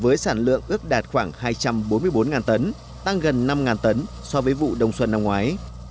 với sản lượng ước đạt khoảng hai trăm bốn mươi bốn tấn tăng gần năm tấn so với vụ đông xuân năm ngoái